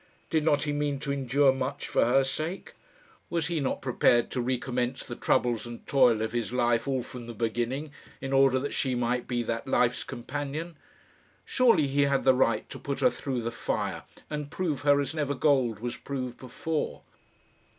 Did not he mean to endure much for her sake? Was he not prepared to recommence the troubles and toil of his life all from the beginning, in order that she might be that life's companion? Surely he had the right to put her through the fire, and prove her as never gold was proved before.